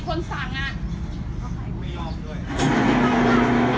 พ่อตอนนี้ใหญ่คนที่อยู่ที่นี่